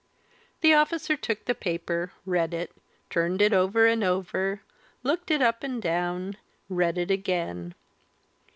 The officer took the paper; read it, turned it over and over; looked it up and down; read it again.